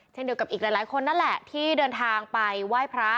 เดียวกับอีกหลายคนนั่นแหละที่เดินทางไปไหว้พระ